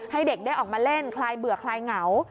ให้เด็กได้ออกมาเล่นคลายเบื่อคลายเหงา